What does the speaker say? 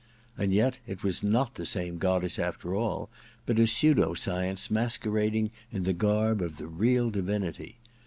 And yet it was not the same goddess, after all, but a pseudo science masquerading in the garb of the real divinity.